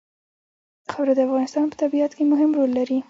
خاوره د افغانستان په طبیعت کې مهم رول لري.